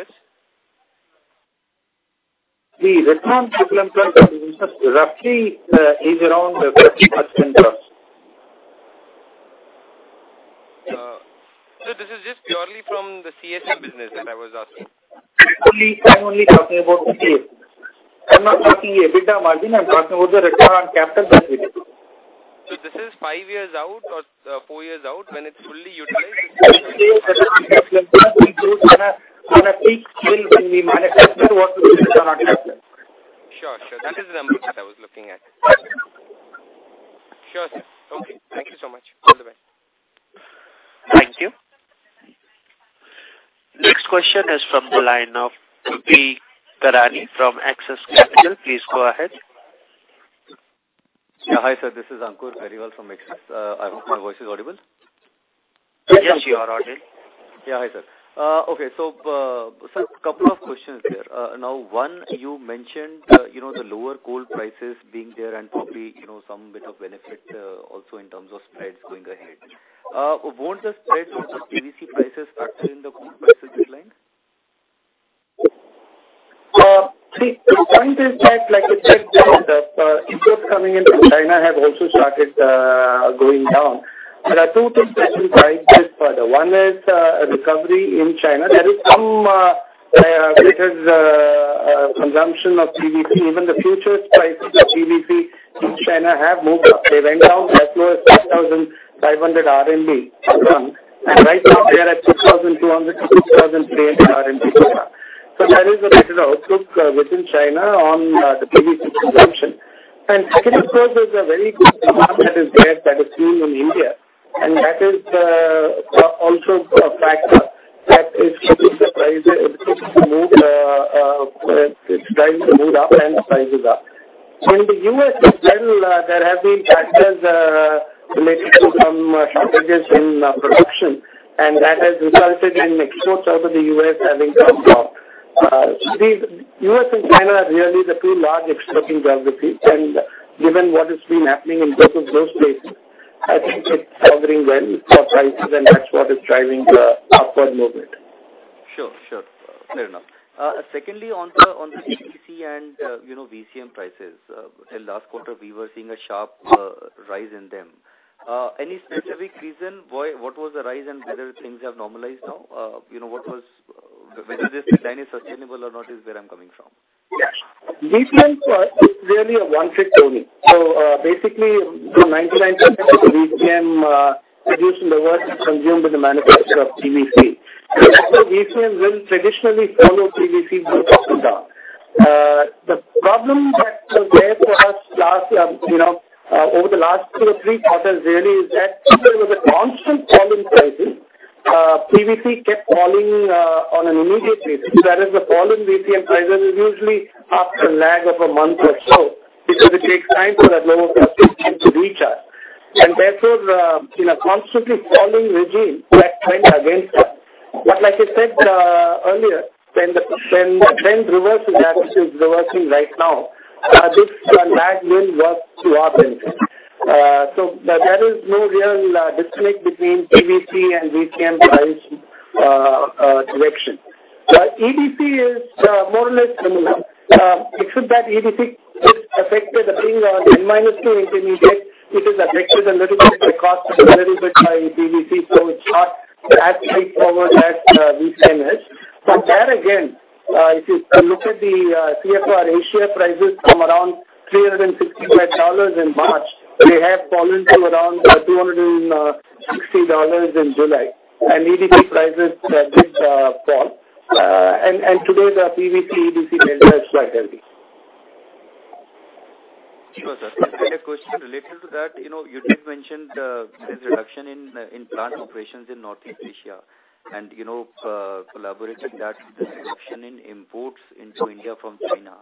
years? The return on capital investment roughly is around 30% plus. Sir, this is just purely from the CMC business that I was asking. I'm only talking about the CMC business. I'm not talking here EBITDA margin. I'm talking about the return on capital that we did. This is five years out or four years out when it's fully utilized? This is the return on capital investment. We grow on a peak scale when we manufacture what we do with the return on capital. Sure, sure. That is the number that I was looking at. Sure, sir. Okay. Thank you so much. All the best. Thank you. Next question is from the line of P. Karani from Axis Capital. Please go ahead. Yeah. Hi, sir. This is Ankur Periwal from Axis. I hope my voice is audible. Yes, you are audible. Yeah. Hi, sir. Okay. So, sir, a couple of questions there. Now, one, you mentioned the lower coal prices being there and probably some bit of benefit also in terms of spreads going ahead. Won't the spreads on the PVC prices factor in the coal prices declining? See, the point is that, like I said, imports coming in from China have also started going down. There are two things that will drive this further. One is recovery in China. There is some better consumption of PVC. Even the futures prices of PVC in China have moved up. They went down as low as 5,500 RMB per ton, and right now, they are at 2,200-2,300 RMB per ton. So there is a better outlook within China on the PVC consumption. And skinny coal is a very good demand that is there that is seen in India, and that is also a factor that is keeping the prices. It's driving to move up and prices up. In the U.S. as well, there have been factors related to some shortages in production, and that has resulted in exports out of the U.S. having come down. The U.S. and China are really the two large exporting geographies, and given what has been happening in both of those places, I think it's solving well for prices, and that's what is driving the upward movement. Sure, sure. Fair enough. Secondly, on the PVC and VCM prices, till last quarter, we were seeing a sharp rise in them. Any specific reason? What was the rise and whether things have normalized now? Whether this decline is sustainable or not is where I'm coming from. Yes. VCM is really a one-fit-only. So basically, 99% of the VCM produced in the world is consumed in the manufacture of PVC. So VCM will traditionally follow PVC go up and down. The problem that was there for us over the last two or three quarters really is that there was a constant fall in prices. PVC kept falling on an immediate basis. Whereas the fall in VCM prices is usually after a lag of a month or so because it takes time for that lower cost to reach us. And therefore, in a constantly falling regime, that trend against us. But like I said earlier, when the trend reverses that, which is reversing right now, this lag will work to our benefit. So there is no real disconnect between PVC and VCM price direction. EDC is more or less similar. Except that EDC just affected the thing on N-2 intermediate. It has affected a little bit the cost a little bit by PVC, so it's not as straightforward as VCM is. But there again, if you look at the CFR Asia prices from around $365 in March, they have fallen to around $260 in July. And EDC prices did fall. And today, the PVC/EDC delta is quite heavy. Sir, I have a question related to that. You did mention there's reduction in plant operations in Northeast Asia and correlating that with the reduction in imports into India from China.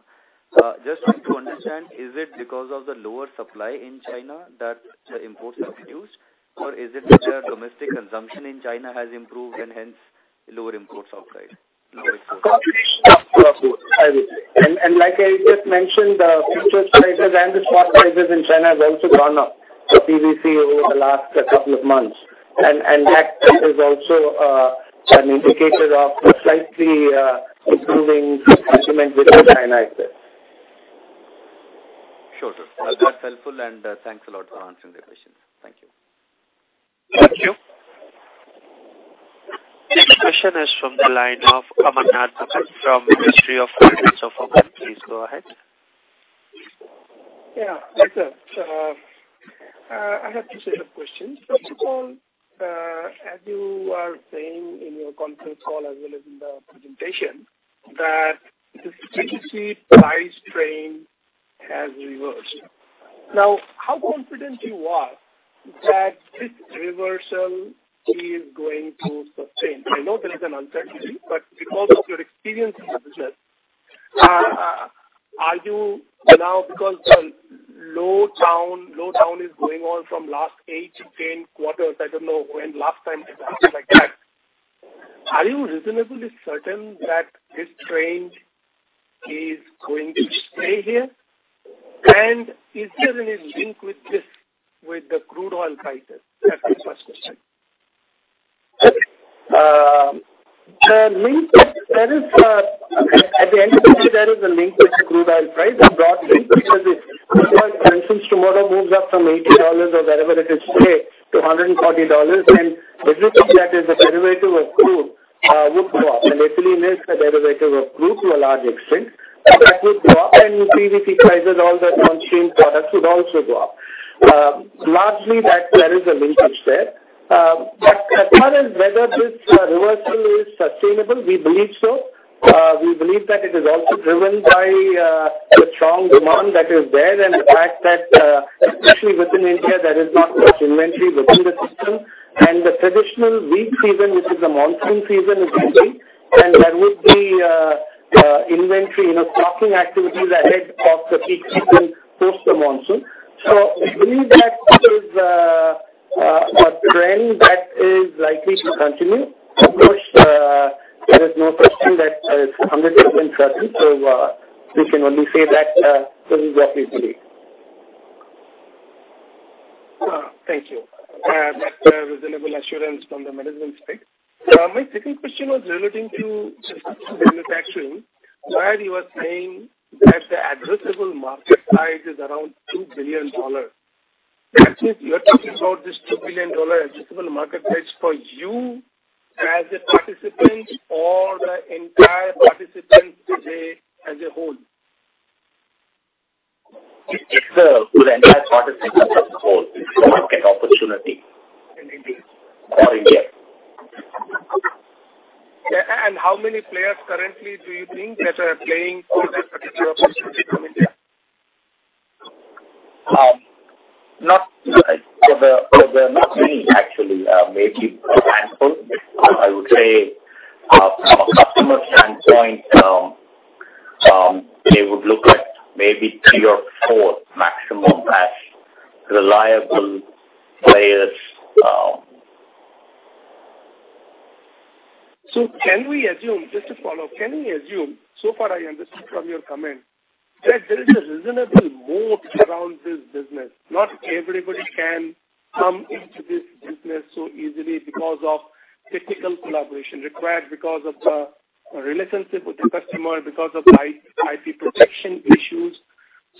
Just to understand, is it because of the lower supply in China that the imports have reduced, or is it that the domestic consumption in China has improved and hence lower imports outside? Combination of both, I would say. And like I just mentioned, the futures prices and the spot prices in China have also gone up for PVC over the last couple of months, and that is also an indicator of a slightly improving sentiment within China, I said. Sure, sir. That's helpful, and thanks a lot for answering the questions. Thank you. Thank you. Next question is from the line of Amarnath Mohan from Mirae Asset. Please go ahead. Yeah. Hi, sir. I have two sets of questions. First of all, as you are saying in your conference call as well as in the presentation, that this PVC price trend has reversed. Now, how confident are you that this reversal is going to sustain? I know there is an uncertainty, but because of your experience in the business, are you now, because the downturn is going on from last eigh to 10 quarters? I don't know when last time it happened like that. Are you reasonably certain that this trend is going to stay here? And is there any link with the crude oil prices? That's the first question. There is, at the end of the day, there is a link with the crude oil price. A broad link because if crude oil consumption tomorrow moves up from $80 or wherever it is today to $140, then everything that is a derivative of crude would go up. Ethylene is a derivative of crude to a large extent. That would go up, and PVC prices, all the downstream products would also go up. Largely, there is a linkage there. As far as whether this reversal is sustainable, we believe so. We believe that it is also driven by the strong demand that is there and the fact that, especially within India, there is not much inventory within the system. The traditional weak season, which is the monsoon season, is easy, and there would be inventory stocking activities ahead of the peak season post the monsoon. We believe that is a trend that is likely to continue. Of course, there is no such thing that is 100% certain, so we can only say that this is what we believe. Thank you. That's a reasonable assurance from the management side. My second question was relating to manufacturing. While you were saying that the addressable market size is around $2 billion, that means you're talking about this $2 billion addressable market price for you as a participant or the entire participants today as a whole? Sir, the entire participants as a whole. Market opportunity for India. How many players currently do you think that are playing for this particular participant from India? Not for the not many, actually. Maybe a handful. I would say, from a customer standpoint, they would look at maybe three or four maximum as reliable players. So can we assume just to follow up, can we assume, so far I understood from your comment, that there is a reasonable moat around this business? Not everybody can come into this business so easily because of technical collaboration required, because of the relationship with the customer, because of IP protection issues.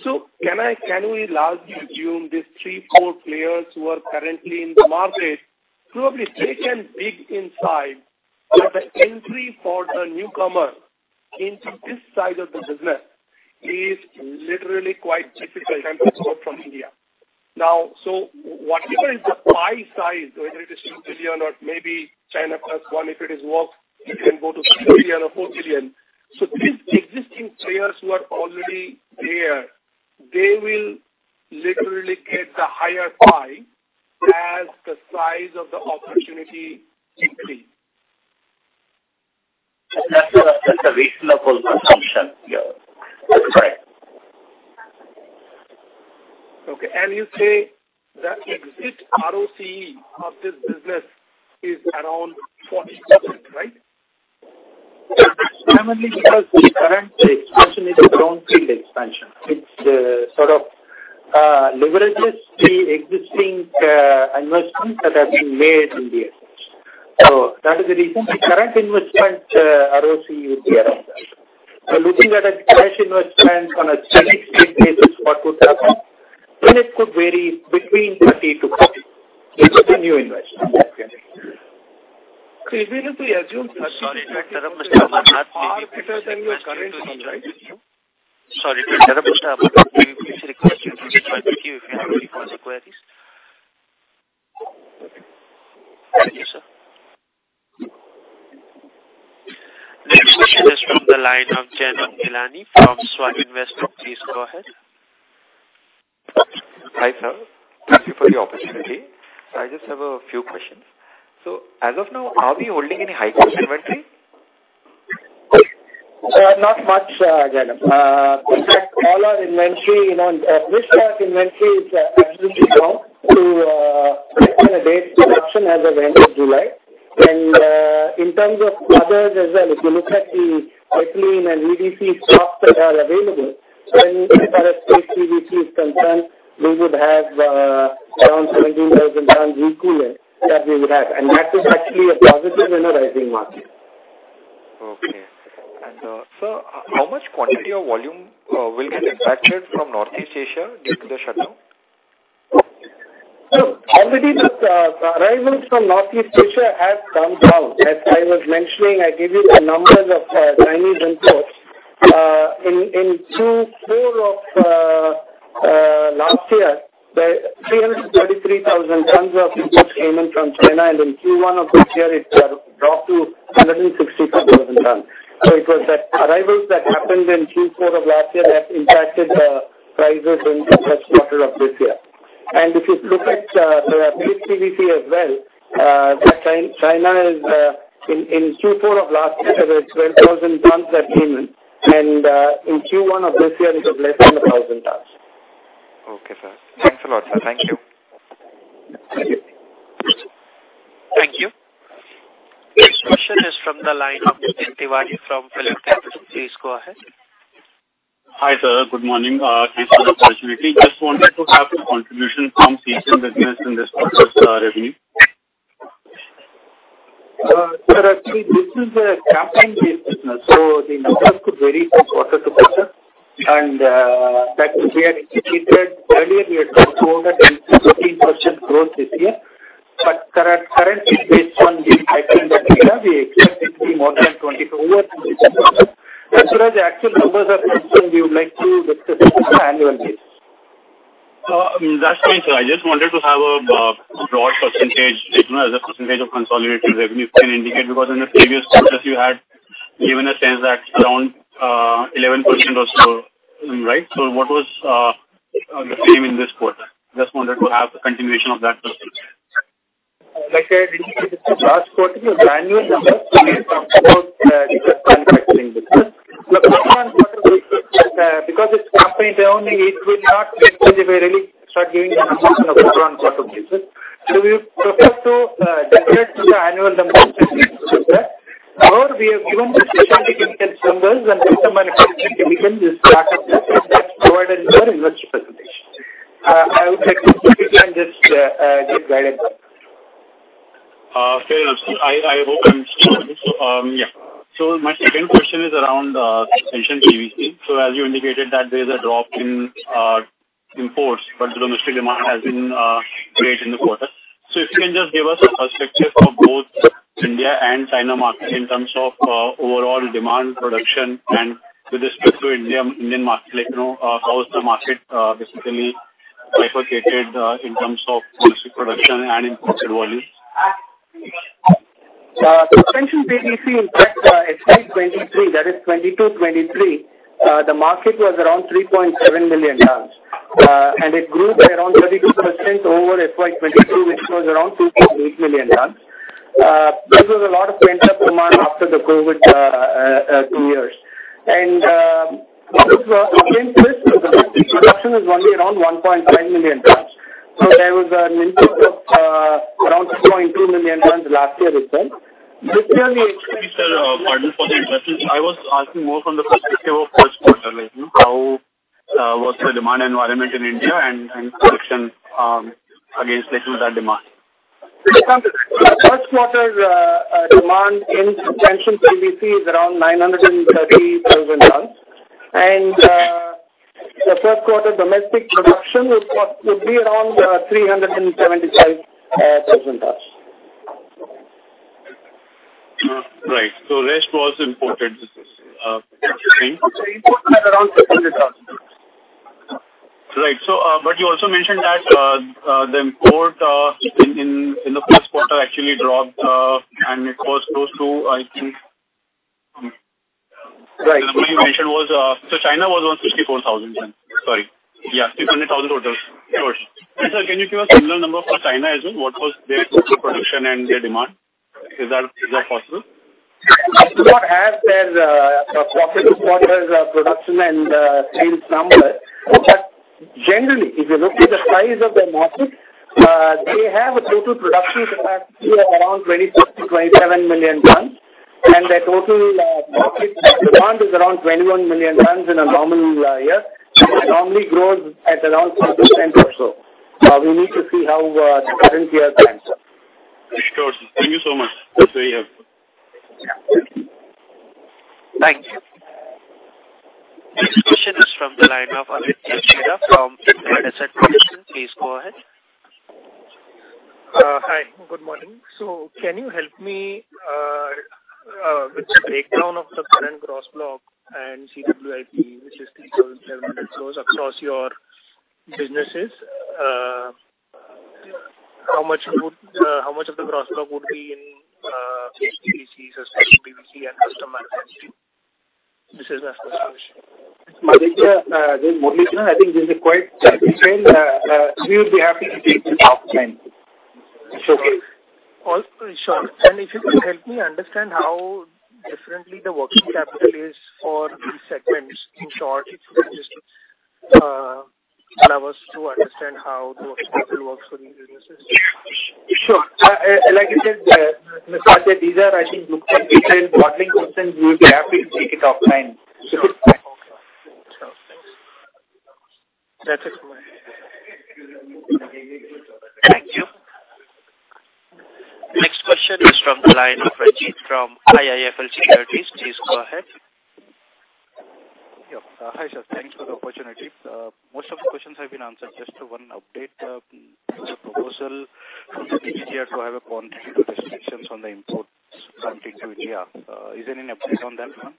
So can we largely assume these three, four players who are currently in the market, probably taken big slice, that the entry for the newcomer into this side of the business is literally quite difficult? Sure. To go from India. Now, so whatever is the pie size, whether it is $2 billion or maybe China Plus One, if it is worth, it can go to $3 billion or $4 billion. So these existing players who are already there, they will literally get the higher pie as the size of the opportunity increase. That's a reasonable assumption. That's correct. Okay. And you say the exit ROC of this business is around 40%, right? It's primarily because the current expansion is its brownfield expansion. It's sort of leverages the existing investments that have been made in the assets. So that is the reason the current investment ROC would be around that. So looking at a cash investment on a static state basis, what would happen? Then it could vary between 30-40. It's the new investment, actually. If we have to assume 30. Sorry to interrupt, Mr. Amarnath, maybe. I'll better tell you a current one, right? Sorry to interrupt Mr. Amarnath, maybe please request you to swipe the queue if you have any further queries. Okay. Thank you, sir. Next question is from the line of Jainam Ghelani from Svan Investments. Please go ahead. Hi, sir. Thank you for the opportunity. I just have a few questions. So as of now, are we holding any high-cost inventory? Not much, Jainam. In fact, all our PVC inventory is absolutely down to current production as of the end of July. In terms of others as well, if you look at the ethylene and EDC stocks that are available, then as far as paste PVC is concerned, we would have around 17,000 tons requiring that we would have. That is actually a positive in a rising market. Okay. And sir, how much quantity or volume will get impacted from Northeast Asia due to the shutdown? So already, the arrivals from Northeast Asia have come down. As I was mentioning, I gave you the numbers of Chinese imports. In Q4 of last year, 333,000 tons of imports came in from China, and in Q1 of this year, it dropped to 164,000 tons. So it was that arrivals that happened in Q4 of last year that impacted the prices in the first quarter of this year. And if you look at Paste PVC as well, China in Q4 of last year, there were 12,000 tons that came in, and in Q1 of this year, it was less than 1,000 tons. Okay, sir. Thanks a lot, sir. Thank you. Thank you. Next question is from the line of Jiten Doshi from PhillipCapital. Please go ahead. Hi, sir. Good morning. Thanks for the opportunity. Just wanted to have a contribution from CMC business in this quarter's revenue. Sir, actually, this is a campaign-based business, so the numbers could vary from quarter to quarter. Like we had indicated earlier, we had reported 15% growth this year. Currently, based on the tracking of data, we expect it to be more than 24%. As far as the actual numbers are concerned, we would like to discuss this on an annual basis. That's fine, sir. I just wanted to have a broad percentage as a percentage of consolidated revenue you can indicate because in the previous quarters, you had given a sense that around 11% or so, right? So what was the claim in this quarter? Just wanted to have a continuation of that question. Like I had indicated in the last quarter, it was annual numbers. We talked about the manufacturing business. Now, quarter-on-quarter, because it's campaign-only, it will not be really start giving the numbers on a quarter-on-quarter basis. So we prefer to defer to the annual numbers and things like that. However, we have given specialty chemicals numbers, and custom manufacturing chemicals is part of that that's provided in our investor presentation. I would like to see if we can just get guided by that. Fair enough, sir. I hope I understood your question. So yeah. So my second question is around suspension PVC. So as you indicated, there is a drop in imports, but the domestic demand has been great in the quarter. So if you can just give us a perspective for both India and China market in terms of overall demand, production, and with respect to Indian market, how has the market basically bifurcated in terms of domestic production and imported volumes? Suspension PVC, in fact, FY 2023, that is 2022/2023, the market was around 3.7 million tons, and it grew by around 32% over FY 2022, which was around 2.8 million tons. This was a lot of pent-up demand after the COVID two years. And since this, the domestic production was only around 1.5 million tons. So there was an increase of around 2.2 million tons last year, we said. This year, we. Sorry, sir. Pardon for the interruption. I was asking more from the perspective of first quarter, how was the demand environment in India and selection against that demand? First quarter, demand in suspension PVC is around 930,000 tons. The first quarter, domestic production would be around 375,000 tons. Right. So rest was imported, this is the first thing? Imported at around 600,000 tons. Right. But you also mentioned that the import in the first quarter actually dropped, and it was close to, I think. Right. The number you mentioned was so China was 164,000 tons. Sorry. Yeah, 600,000 totals. Sure. And sir, can you give a similar number for China as well? What was their total production and their demand? Is that possible? We do not have their quarter-to-quarter production and sales numbers. Generally, if you look at the size of their market, they have a total production capacity of around 26-27 million tons, and their total market demand is around 21 million tons in a normal year. It normally grows at around 5% or so. We need to see how the current year stands. Sure. Thank you so much. That's very helpful. Thank you. Next question is from the line of Aditya Khetan from S&P Investment. Please go ahead. Hi. Good morning. So can you help me with the breakdown of the current gross block and CWIP, which is INR 3,700 crores, across your businesses? How much of the gross block would be in PVC, suspension PVC, and custom manufacturing? This is my first question. Yeah, sure, I think this is quite detailed. We would be happy to take this offline. It's okay. All right. Sure. If you could help me understand how differently the working capital is for these segments, in short, if you could just allow us to understand how the working capital works for these businesses. Sure. Like I said, Mr. Ajay, these are, I think, looked at retail modeling questions. We would be happy to take it offline. If it's. Okay. Sure. Thanks. That's it from me. Thank you. Next question is from the line of Rajeev from IIFL Securities. Please go ahead. Yep. Hi, sir. Thanks for the opportunity. Most of the questions have been answered. Just one update. The proposal from the DGTR to have quantitative restrictions on the imports coming to India. Is there any update on that one?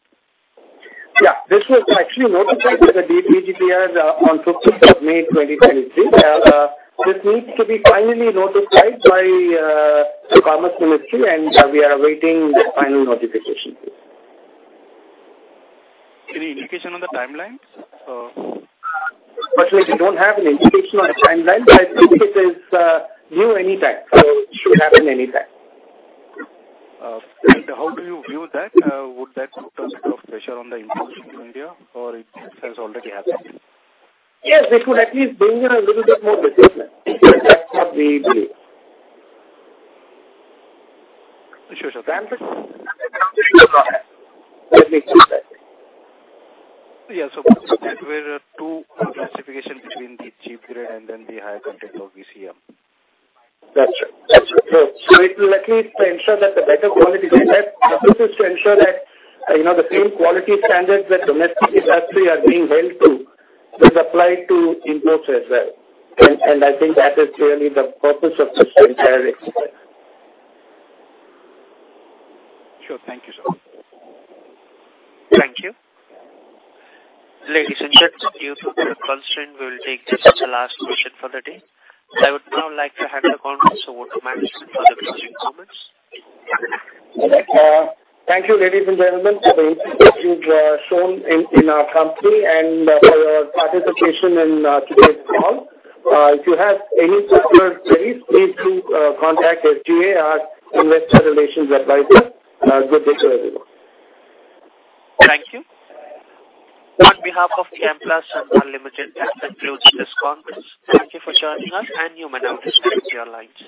Yeah. This was actually notified by the DGTR on 15th of May 2023. This needs to be finally notified by the Commerce Ministry, and we are awaiting the final notification. Any indication on the timeline? Unfortunately, we don't have an indication on the timeline, but I think it is due anytime, so it should happen anytime. How do you view that? Would that put a bit of pressure on the imports to India, or it has already happened? Yes. It would at least bring a little bit more discipline. That's what we believe. Sure, sir. Let me see if that. Yeah. So there were two classifications between the cheap grade and then the higher content of VCM. That's right. That's right. So it will at least ensure that the better quality data purposes to ensure that the same quality standards that domestic industry are being held to does apply to imports as well. And I think that is really the purpose of this entire experiment. Sure. Thank you, sir. Thank you. Ladies and gentlemen, due to the constraint, we will take this as the last question for the day. I would now like to hand the conference over to Muralidharan for the closing comments. Thank you, ladies and gentlemen, for the interest that you've shown in our company and for your participation in today's call. If you have any further queries, please do contact SGA Investor Relations Advisor. Good day to everyone. Thank you. On behalf of Chemplast Sanmar Limited, that concludes this conference. Thank you for joining us, and you may now disconnect your lines.